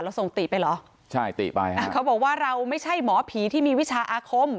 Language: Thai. ส่งติไปเหรอใช่ติไปฮะอ่าเขาบอกว่าเราไม่ใช่หมอผีที่มีวิชาอาคม